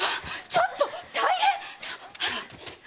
ちょっと大変！